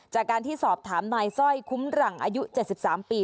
จากการที่สอบถามนายสร้อยคุ้มหลังอายุ๗๓ปี